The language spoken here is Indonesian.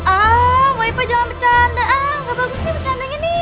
ah mba ipa jangan bercanda ah gak bagus nih bercandanya nih